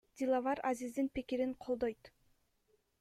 Диловар Азиздин пикирин колдойт.